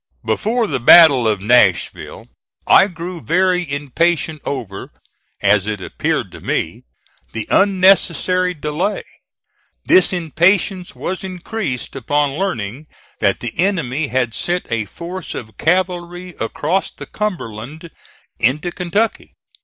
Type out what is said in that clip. Before the battle of Nashville I grew very impatient over, as it appeared to me, the unnecessary delay. This impatience was increased upon learning that the enemy had sent a force of cavalry across the Cumberland into Kentucky.